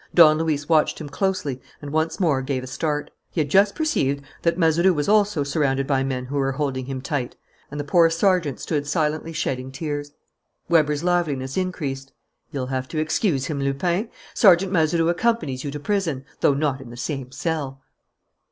Don Luis watched him closely and once more gave a start. He had just perceived that Mazeroux also was surrounded by men who were holding him tight. And the poor sergeant stood silently shedding tears. Weber's liveliness increased. "You'll have to excuse him, Lupin. Sergeant Mazeroux accompanies you to prison, though not in the same cell."